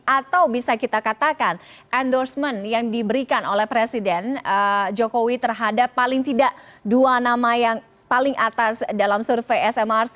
atau bisa kita katakan endorsement yang diberikan oleh presiden jokowi terhadap paling tidak dua nama yang paling atas dalam survei smrc